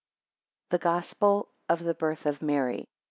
THE GOSPEL OF THE BIRTH OF MARY.